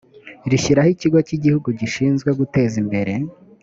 rishyiraho ikigo cy igihugu gishinzwe guteza imbere